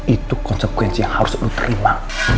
itu konsekuensi yang harus lu terima